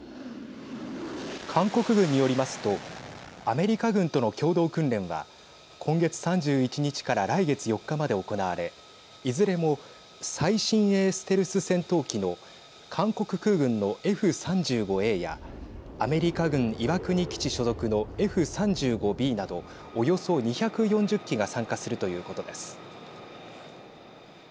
韓国軍によりますとアメリカ軍との共同訓練は今月３１日から来月４日まで行われいずれも最新鋭ステルス戦闘機の韓国空軍のＦ３５Ａやアメリカ軍、岩国基地所属のＦ３５Ｂなどおよそ２４０機が参加するということです。